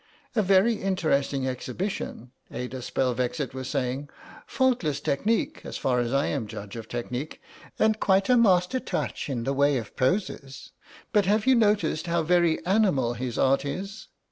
"A very interesting exhibition," Ada Spelvexit was saying; "faultless technique, as far as I am a judge of technique, and quite a master touch in the way of poses. But have you noticed how very animal his art is?